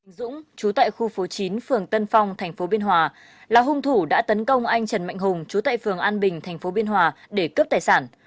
vũ dũng chú tại khu phố chín phường tân phong tp biên hòa là hung thủ đã tấn công anh trần mạnh hùng chú tại phường an bình thành phố biên hòa để cướp tài sản